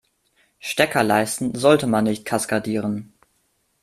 Steckerleisten sollte man nicht kaskadieren.